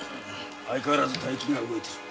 相変わらず大金が動いている。